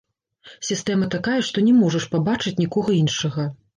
Сістэма такая, што не можаш пабачыць нікога іншага.